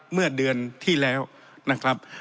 เมื่อเดือนที่แล้วนะครับ